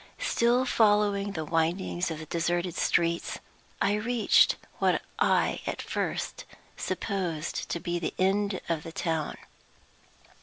Still following the windings of the deserted streets, I reached what I at first supposed to be the end of the town.